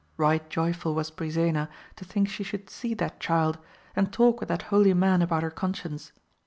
Eight joyful was Brisena to think she should see that child, and talk with that holy man about her conscience.